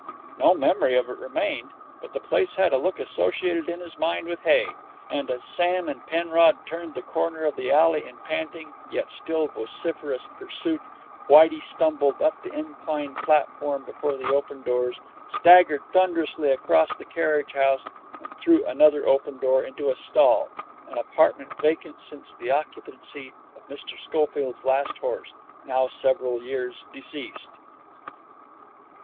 No memory of it remained, but the place had a look associated in his mind with hay, and as Sam and Penrod turned the corner of the alley in panting yet still vociferous pursuit, Whitey stumbled up the inclined platform before the open doors, staggered thunderously across the carriage house and through another open door into a stall, an apartment vacant since the occupancy of Mr. Schofield's last horse, now several years deceased.